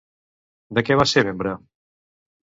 De què va ser membre?